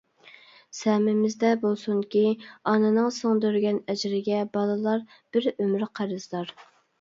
سەمىمىزدە بولسۇنكى، ئانىنىڭ سىڭدۈرگەن ئەجرىگە بالىلار بىر ئۆمۈر قەرزدار.